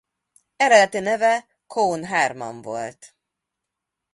Eredeti neve Cohn Hermann volt.